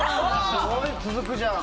すごい続くじゃん！